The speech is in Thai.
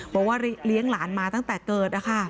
บอกว่าเลี้ยงหลานมาตั้งแต่เกิดนะคะ